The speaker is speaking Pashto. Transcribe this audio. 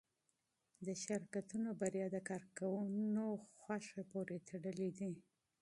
د شرکتونو بریا د کارکوونکو رضایت پورې تړلې ده.